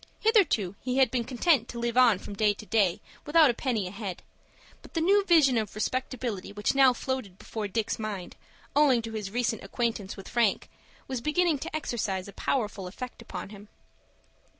Hitherto he had been content to live on from day to day without a penny ahead; but the new vision of respectability which now floated before Dick's mind, owing to his recent acquaintance with Frank, was beginning to exercise a powerful effect upon him.